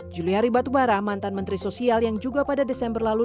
juliari batubara mantan menteri sosial yang juga pada desember lalu